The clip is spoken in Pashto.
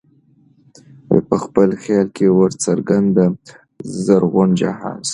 په خپل خیال کي ورڅرګند زرغون جهان سو